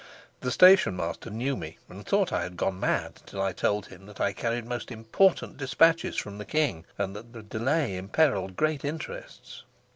The stationmaster knew me, and thought I had gone mad, till I told him that I carried most important despatches from the king, and that the delay imperiled great interests.